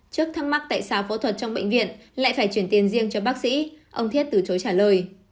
trước thắc mắc tại xá phẫu thuật trong bệnh viện lại phải chuyển tiền riêng cho bác sĩ ông thiết từ chối trả lời